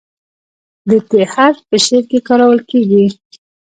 د "ت" حرف په شعر کې کارول کیږي.